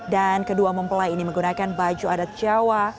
dan kedua mempelai ini menggunakan baju adat jawa